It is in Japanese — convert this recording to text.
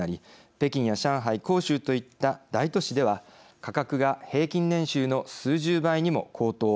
北京や上海、広州といった大都市では、価格が平均年収の数十倍にも高騰。